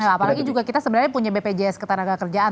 apalagi juga kita sebenarnya punya bpjs ketenaga kerjaan